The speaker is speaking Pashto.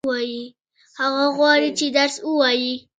هغه غواړي چې درس ووايي.